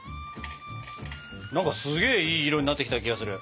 すげえいい色になってきた気がする。